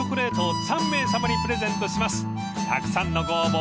［たくさんのご応募